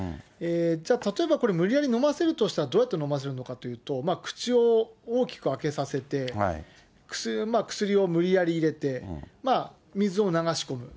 じゃあ、例えばこれ、無理やり飲ませるとすれば、どうやって飲ませるのかというと、口を大きく開けさせて、薬を無理やり入れて、水を流し込む。